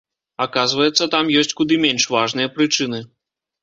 Аказваецца, там ёсць куды менш важныя прычыны.